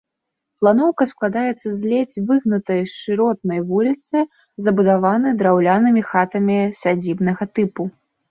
Планоўка складаецца з ледзь выгнутай шыротнай вуліцы, забудаванай драўлянымі хатамі сядзібнага тыпу.